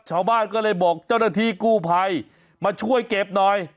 ชาวบ้านก็เลยบอกเจ้าหน้าที่กู้ภัยมาช่วยเก็บหน่อย